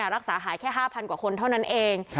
รักษาหายแค่๕๐๐กว่าคนเท่านั้นเอง